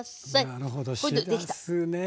なるほどしらすね。